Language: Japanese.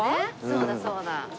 そうだそうだ。